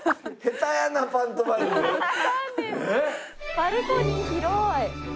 バルコニー広い！